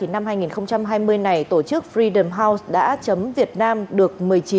năm hai nghìn hai mươi này tổ chức fredem house đã chấm việt nam được một mươi chín